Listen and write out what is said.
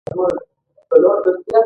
د پرمختګ راز په توازن کې دی.